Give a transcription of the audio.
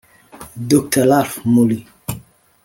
Dr Ralph Muli